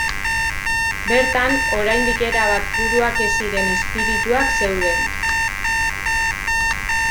Bertan, oraindik erabat puruak ez ziren izpirituak zeuden.